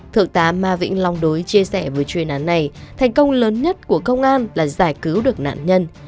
thượng tá ma vĩnh long đối chia sẻ với chuyên án này thành công lớn nhất của công an là giải cứu được nạn nhân